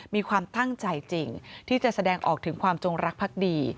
มีความตั้งใจจริงที่จะแสดงออกถึงความจงรักพักดี